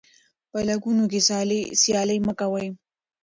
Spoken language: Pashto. په لګښتونو کې سیالي مه کوئ.